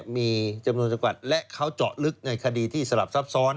มีจำนวนจังหวัดและเขาเจาะลึกในคดีที่สลับซับซ้อน